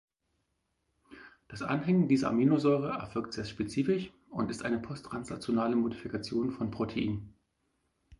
Das Anhängen dieser Aminosäure erfolgt sehr spezifisch und ist eine posttranslationale Modifikation von Proteinen.